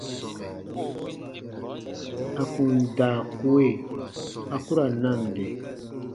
À kun daa kue, a ku ra nande.